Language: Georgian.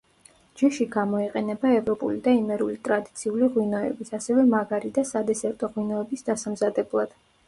ჯიში გამოიყენება ევროპული და იმერული ტრადიციული ღვინოების, ასევე მაგარი და სადესერტო ღვინოების დასამზადებლად.